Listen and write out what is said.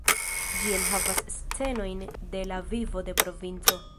Ĝi enhavas scenojn de la vivo de provinco.